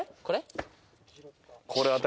これ？